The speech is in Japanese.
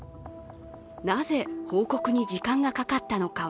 なぜ、報告に時間がかかったのかは